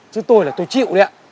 chứ tôi là tôi chịu đấy ạ